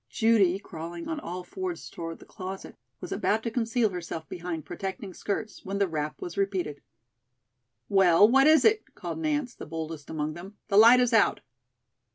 Judy, crawling on all fours toward the closet, was about to conceal herself behind protecting skirts, when the rap was repeated. "Well, what is it?" called Nance, the boldest among them, "the light is out."